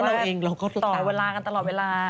เราเองเราก็ต่อเวลากันตลอดเวลา